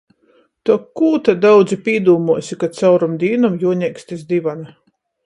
Tok kū ta daudzi pīdūmuosi, ka caurom dīnom juoneikst iz divana?